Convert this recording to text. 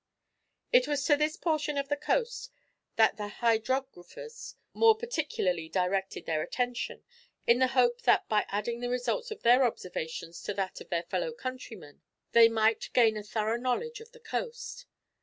It was to this portion of the coast that the hydrographers more particularly directed their attention, in the hope that by adding the results of their observations to that of their fellow countrymen they might gain a thorough knowledge of the coast.